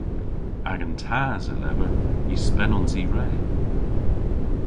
Agan tas a lever y spenons i re.